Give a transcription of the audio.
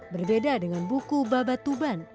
berbeda dengan buku babat tuban